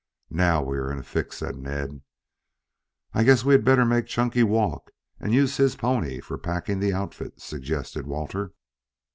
"Now we are in a fix," said Ned. "I guess we had better make Chunky walk and use his pony for packing the outfit," suggested Walter.